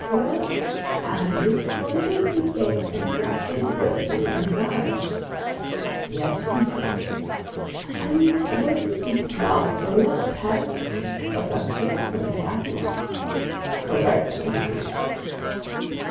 "Weren't its eyes prominently placed and considerably enlarged?" "Yes, Conseil." "And wasn't its mouth a real parrot's beak but of fearsome size?" "Correct, Conseil."